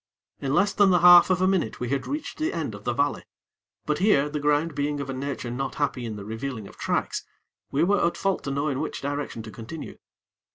In less than the half of a minute we had reached the end of the valley; but here, the ground being of a nature not happy in the revealing of tracks, we were at fault to know in which direction to continue.